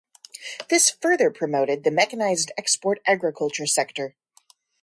This further promoted the mechanized export agriculture sector.